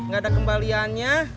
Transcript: gak ada kembaliannya